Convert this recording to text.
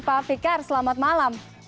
pak fikar selamat malam